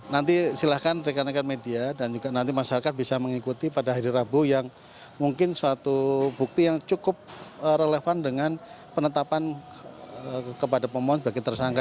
nanti silahkan rekan rekan media dan juga nanti masyarakat bisa mengikuti pada hari rabu yang mungkin suatu bukti yang cukup relevan dengan penetapan kepada pemohon sebagai tersangka